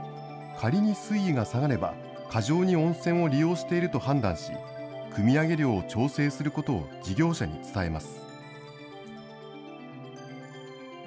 仮に水位が下がれば、過剰に温泉を利用していると判断し、くみ上げ量を調整することを事業者に伝えます。